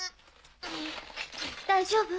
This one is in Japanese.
大丈夫？